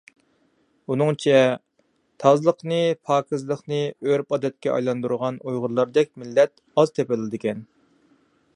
ئۇنىڭچە، تازىلىقنى، پاكىزلىقنى ئۆرپ-ئادەتكە ئايلاندۇرغان ئۇيغۇرلاردەك مىللەت ئاز تېپىلىدىكەن.